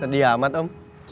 sedih amat om